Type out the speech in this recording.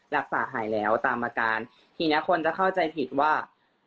รักษาหายแล้วตามอาการทีเนี้ยคนจะเข้าใจผิดว่า